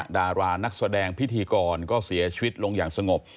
ดารานักแสดงพิธีกรก็เสียชีวิตลงอย่างสงบ